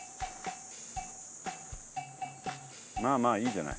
まあまあいいじゃない。